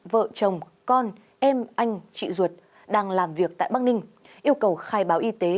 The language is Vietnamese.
vợ chồng con em anh chị ruột đang làm việc tại bắc ninh yêu cầu khai báo y tế